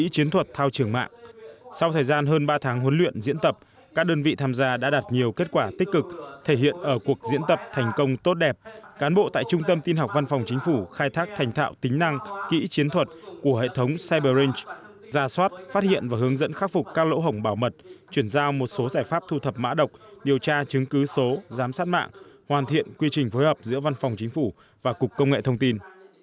sau thời gian hơn ba tháng huấn luyện diễn tập các đơn vị tham gia đã đạt nhiều kết quả tích cực thể hiện ở cuộc diễn tập thành công tốt đẹp cán bộ tại trung tâm tin học văn phòng chính phủ khai thác thành thạo tính năng kỹ chiến thuật của hệ thống cyber range giả soát phát hiện và hướng dẫn khắc phục các lỗ hổng bảo mật chuyển giao một số giải pháp thu thập mã độc điều tra chứng cứ số giám sát mạng hoàn thiện quy trình phối hợp giữa văn phòng chính phủ và cục công nghệ thông tin